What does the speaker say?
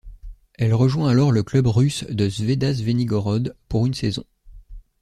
Elle rejoint alors le club russe de Zvezda Zvenigorod pour une saison.